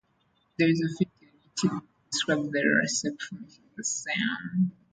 There is a video on YouTube which describes the recipe for making the same.